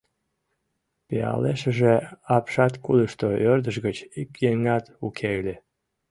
Пиалешыже, апшаткудышто ӧрдыж гыч ик еҥат уке ыле.